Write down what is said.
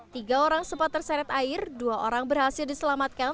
tiga orang sempat terseret air dua orang berhasil diselamatkan